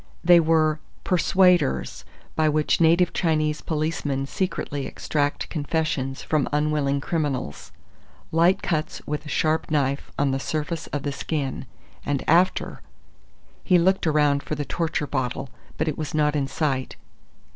They were "persuaders," by which native Chinese policemen secretly extract confessions from unwilling criminals light cuts with a sharp knife on the surface of the skin, and after He looked around for the "torture bottle," but it was not in sight.